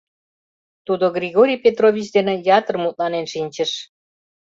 Тудо Григорий Петрович дене ятыр мутланен шинчыш.